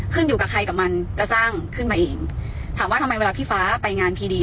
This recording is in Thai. อยู่กับใครกับมันก็สร้างขึ้นมาเองถามว่าทำไมเวลาพี่ฟ้าไปงานทีดี